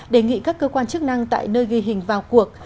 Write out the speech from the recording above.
đề nghị các cơ quan chức năng tại nơi ghi hình vào cuộc